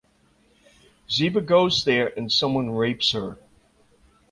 Zeba goes there and someone rapes her.